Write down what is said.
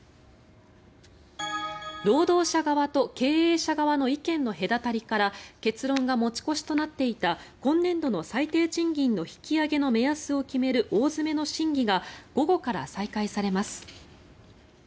労働者側と経営者側の意見の隔たりから結論が持ち越しとなっていた今年度の最低賃金の引き上げの目安を決める大詰めの審議が午後から再開されます。